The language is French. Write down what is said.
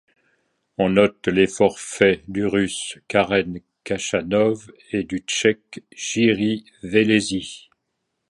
On note les forfaits du Russe Karen Khachanov et du Tchèque Jiří Veselý.